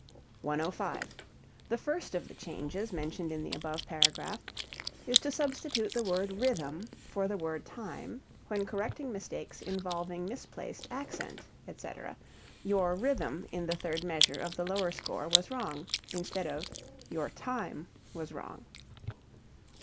105. The first of the changes mentioned in the above paragraph is to substitute the word rhythm for the word time when correcting mistakes involving misplaced accent, etc. E.g., "Your rhythm in the third measure of the lower score was wrong," instead of "Your time was wrong."